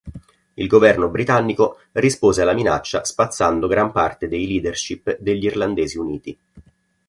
Il governo britannico rispose alla minaccia spazzando gran parte dei leadership degli Irlandesi Uniti.